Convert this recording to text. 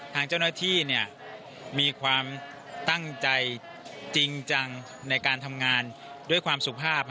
ทางเจ้าหน้าที่มีความตั้งใจจริงจังในการทำงานด้วยความสุภาพ